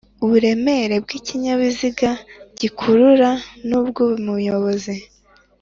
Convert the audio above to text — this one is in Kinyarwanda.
uburemere bw'ikinyabiziga gikurura n'ubw'umuyobozi.